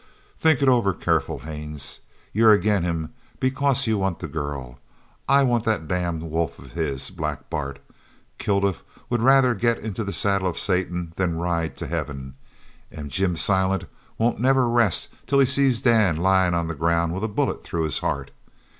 Think it over careful, Haines. You're agin him because you want the girl. I want that damned wolf of his, Black Bart. Kilduff would rather get into the saddle of Satan than ride to heaven. An' Jim Silent won't never rest till he sees Dan lyin' on the ground with a bullet through his heart.